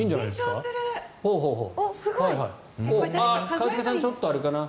一茂さん、ちょっとあれかな。